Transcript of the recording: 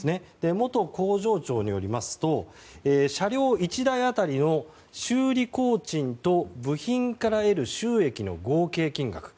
元工場長によりますと車両１台当たりの修理工賃と部品から得る収益の合計金額